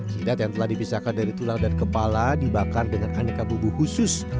sidat yang telah dipisahkan dari tulang dan kepala dibakar dengan aneka bubuk khusus